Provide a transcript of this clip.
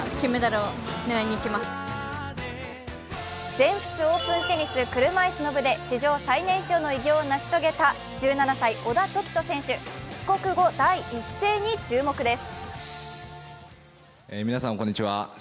全仏オープンテニス車いすの部で史上最年少の偉業を成し遂げた１６歳、小田凱人選手、帰国後第一声に注目です。